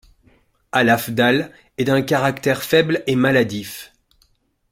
Al-Afdhal est d’un caractère faible et maladif.